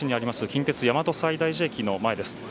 近鉄大和西大寺駅の前です。